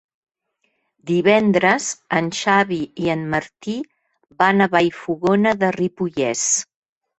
Divendres en Xavi i en Martí van a Vallfogona de Ripollès.